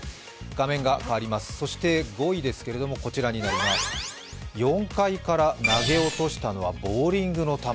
そして、５位ですけども、４階から投げ落としたのはボウリングの球。